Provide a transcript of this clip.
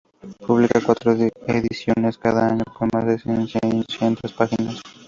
Publica cuatro ediciones cada año con más de seiscientas páginas.